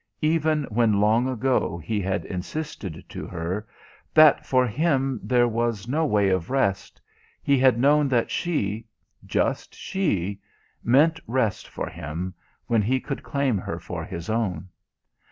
Even when long ago he had insisted to her that for him there was no way of rest, he had known that she, just she, meant rest for him, when he could claim her for his own.